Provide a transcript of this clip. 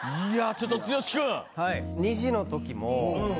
ちょっと剛君。